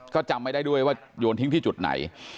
ก็จำไม่ได้ด้วยว่าโยนทิ้งที่จุดไหน